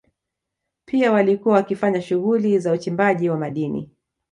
Pia walikuwa wakifanya shughuli za uchimbaji wa madini